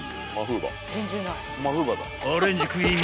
［アレンジクイーン